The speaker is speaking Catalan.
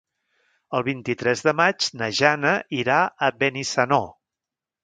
El vint-i-tres de maig na Jana irà a Benissanó.